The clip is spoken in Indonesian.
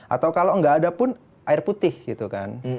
atau kalau nggak ada pun air putih gitu kan